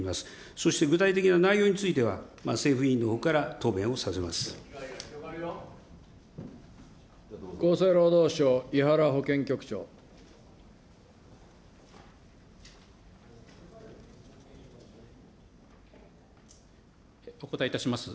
そして具体的な内容については、政府委員のほうから答弁をさせま厚生労働省、お答えいたします。